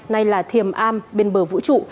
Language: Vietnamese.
nay là thiềm am bên bờ vũ trụ